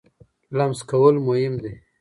لمس کول مهم دی.